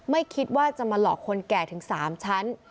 ไม่คิดว่าจะมาหลอกคนแก่ถึง๓ชั้น